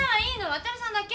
渡さんだけ！